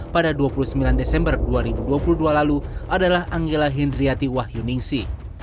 pada dua puluh sembilan desember dua ribu dua puluh dua lalu adalah anggela hindriati wahyuningsi